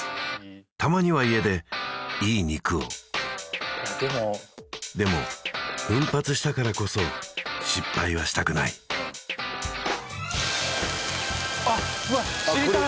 たまには家でいい肉をでも奮発したからこそ失敗はしたくない知りたい！